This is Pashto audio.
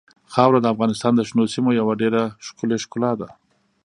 خاوره د افغانستان د شنو سیمو یوه ډېره ښکلې ښکلا ده.